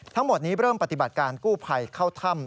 ทั้งหมดนี้เริ่มปฏิบัติการกู้ภัยเข้าถ้ำ